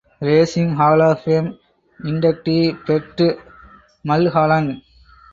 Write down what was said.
Racing Hall of Fame inductee Bert Mulholland.